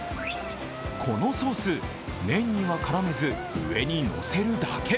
このソース、麺には絡めず上にのせるだけ。